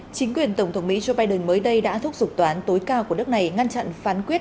chính quyền tổng thống mỹ joe biden mới đây đã thúc giục toán tối cao của nước này ngăn chặn phán quyết